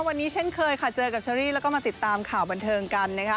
พบกันเฉยค่ะเจอกับเชรี้ก็มาติดตามข่าวบันเทิงกัน